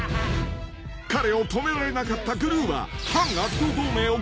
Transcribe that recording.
［彼を止められなかったグルーは］